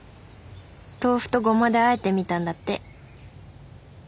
豆腐とゴマであえてみたんだって。